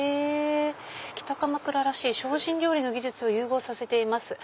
「北鎌倉らしい精進料理の技術を融合させています。